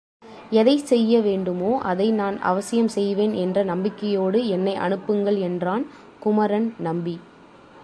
எதைச் செய்ய வேண்டுமோ அதை நான் அவசியம் செய்வேன் என்ற நம்பிக்கையோடு என்னை அனுப்புங்கள் என்றான் குமரன் நம்பி.